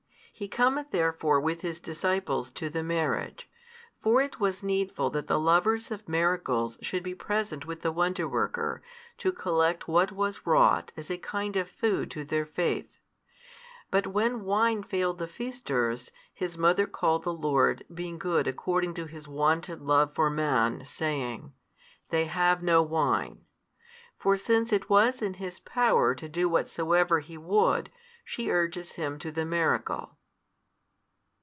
He cometh therefore with. His disciples to the marriage. For it was needful that the lovers of miracles should be present with the Wonderworker, to collect what was wrought as a kind of food to their faith. But when wine failed the feasters, His mother called the Lord being good according to His wonted Love for man, saying, They have no wine. For since it was in His Power to do whatsoever He would, she urges Him to the miracle.